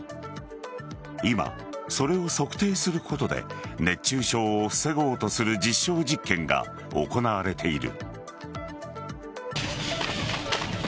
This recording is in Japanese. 今、それを測定することで熱中症を防ごうとする実証実験が行われている。